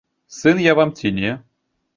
Сын я вам ці не?